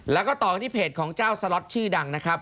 แล้วก็ต่อกันที่เพจของเจ้าสล็อตชื่อดังนะครับ